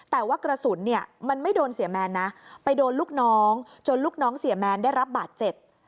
แต่ว่ากระสุนเนี่ยมันไม่โดนเสียแมนนะไปโดนลูกน้องจนลูกน้องเสียแมนได้รับบาดเจ็บ